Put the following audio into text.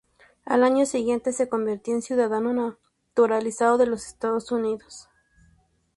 Al año siguiente se convirtió en ciudadano naturalizado de los Estados Unidos.